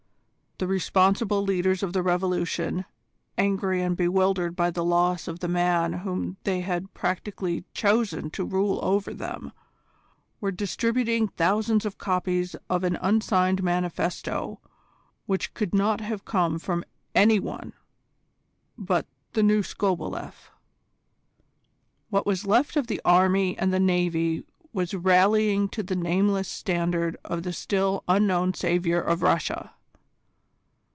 The responsible leaders of the Revolution, angry and bewildered by the loss of the man whom they had practically chosen to rule over them, were distributing thousands of copies of an unsigned manifesto which could not have come from any one but "the new Skobeleff." What was left of the army and the navy was rallying to the nameless standard of the still unknown saviour of Russia.